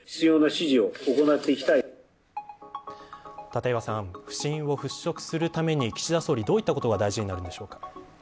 立岩さん不信を払拭するために岸田総理どういったことが大事になってくるんでしょうか。